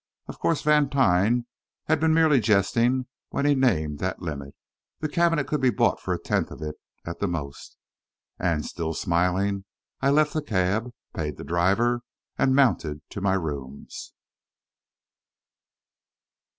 Of course Vantine had been merely jesting when he named that limit. The cabinet could be bought for a tenth of it, at the most. And, still smiling, I left the cab, paid the driver, and mounted to my rooms.